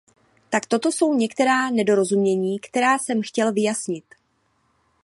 Tak toto jsou některá nedorozumění, která jsem chtěl vyjasnit.